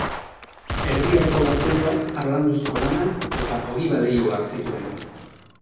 Erdi Aroko gazteluak harlanduzko lana eta ogiba-leihoak zituen.